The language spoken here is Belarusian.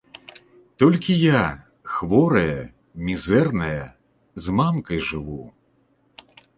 Толькі я, хворая, мізэрная, з мамкай жыву.